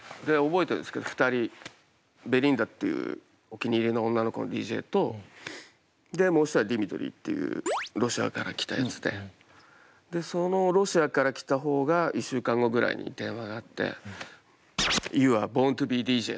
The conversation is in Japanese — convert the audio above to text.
覚えてるんですけど２人ベリンダっていうお気に入りの女の子のＤＪともう一人はディミトリーっていうロシアから来たやつでそのロシアから来た方が１週間後ぐらいに電話があってお！